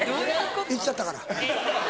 いっちゃったから。